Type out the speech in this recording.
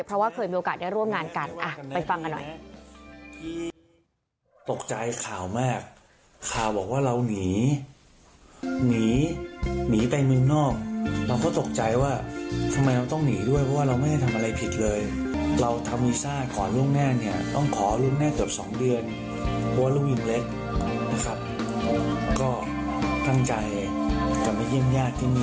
เพราะว่าเคยมีโอกาสได้ร่วมงานกันไปฟังกันหน่อย